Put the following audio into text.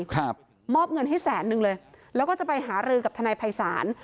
ครับมอบเงินให้แสนนึงเลยแล้วก็จะไปหารือกับทนายภัยศาล